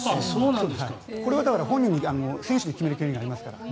これは選手に決める権利がありますから。